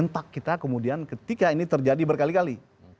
kontak kita kemudian ketika ini terjadi berkali kali